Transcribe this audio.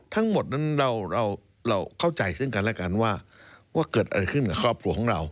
ทั้งหมดนั้นเราเข้าใจซึ่งกันแล้วกันว่าเกิดอะไรขึ้นกับครอบครัวของเรา